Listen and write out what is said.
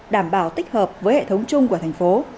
đảm bảo tích hợp với hệ thống chung của tp